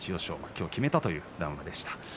今日、決めたという談話でした。